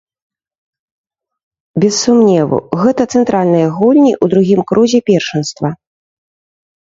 Без сумневу, гэта цэнтральныя гульні ў другім крузе першынства.